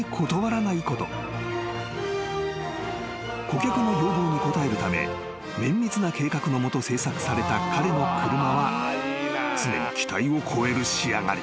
［顧客の要望に応えるため綿密な計画の下製作された彼の車は常に期待を超える仕上がり］